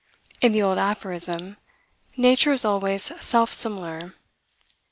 In the old aphorism, nature is always self similar.